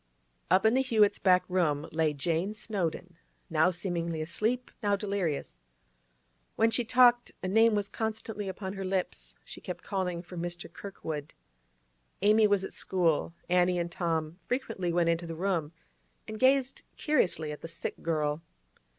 Up in the Hewetts' back room lay Jane Snowdon, now seemingly asleep, now delirious. When she talked, a name was constantly upon her lips; she kept calling for 'Mr. Kirkwood.' Amy was at school; Annie and Tom frequently went into the room and gazed curiously at the sick girl.